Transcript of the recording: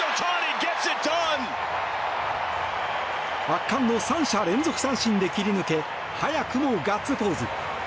圧巻の３者連続三振で切り抜け早くもガッツポーズ。